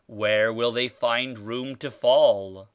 Where will they find room to fall?''